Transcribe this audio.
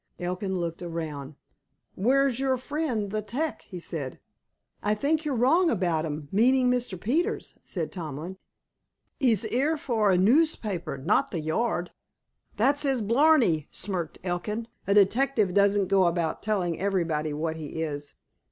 Elkin looked around. "Where's our friend, the 'tec?" he said. "I think you're wrong about 'im, meanin' Mr. Peters," said Tomlin. "'E's 'ere for a noospaper, not for the Yard." "That's his blarney," smirked Elkin. "A detective doesn't go about telling everybody what he is."